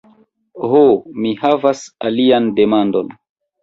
Ho, mi havas alian demandon.